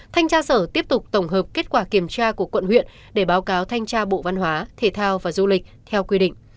thanh tra sở tiếp tục tổng hợp kết quả kiểm tra của quận huyện để báo cáo thanh tra bộ văn hóa thể thao và du lịch theo quy định